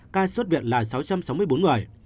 ca xuất viện là sáu trăm sáu mươi bốn người